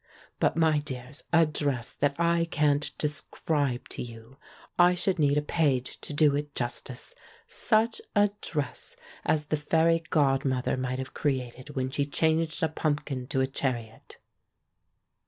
But, my dears, a dress that I can't describe to you! I should need a page to do it justice; such a dress as the fairy godmother might have created when she changed a pumpkin to a chariot.